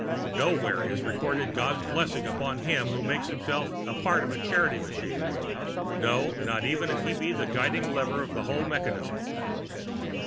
Nowhere is recorded God's blessing upon him who makes himself a part of a charity machine no, not even if he be the guiding lever of the whole mechanism.